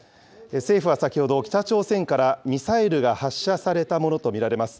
政府は先ほど、北朝鮮からミサイルが発射されたものと見られます。